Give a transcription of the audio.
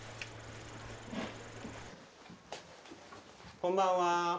こんばんは。